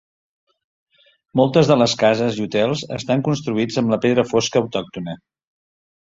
Moltes de les cases i hotels estan construïts amb la pedra fosca autòctona.